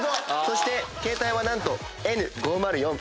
そして携帯は何と。